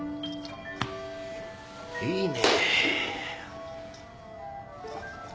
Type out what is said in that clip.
いいね。